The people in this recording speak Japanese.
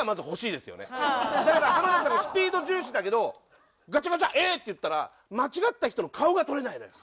だから浜田さんがスピード重視だけどガチャガチャ「Ａ！」って言ったら間違った人の顔が撮れないのよ。